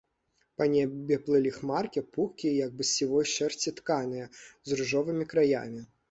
Па небе плылі хмаркі, пухкія, як бы з сівой шэрсці тканыя, з ружовымі краямі.